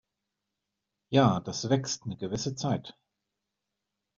Ja, das wächst 'ne gewisse Zeit.